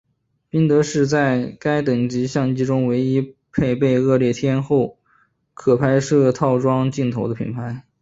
宾得士是在该等级相机中唯一配备恶劣天候可拍摄套装镜头的品牌。